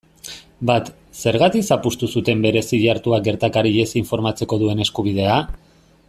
Bat, zergatik zapuztu zuten Bereziartuak gertakariez informatzeko duen eskubidea?